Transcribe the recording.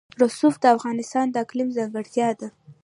رسوب د افغانستان د اقلیم ځانګړتیا ده.